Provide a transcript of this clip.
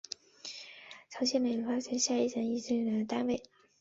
长岭经济开发区是下辖的一个类似乡级单位。